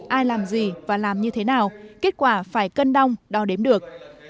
ai làm gì và làm như thế nào kết quả phải cân đong đo đếm được